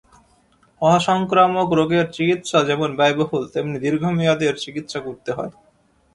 অসংক্রামক রোগের চিকিৎসা যেমন ব্যয়বহুল তেমনি দীর্ঘ মেয়াদে এর চিকিৎসা করতে হয়।